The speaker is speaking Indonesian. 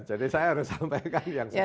jadi saya harus sampaikan yang sebenarnya